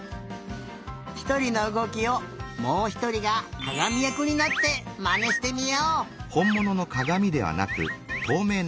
ひとりのうごきをもうひとりがかがみやくになってまねしてみよう。